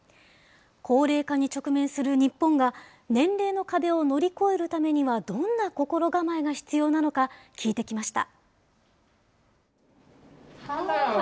高齢化に直面する日本が、年齢の壁を乗り越えるためにはどんな心構えが必要なのか、聞いてきました。